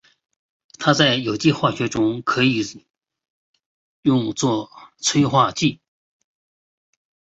它在有机化学中可以用作催化剂。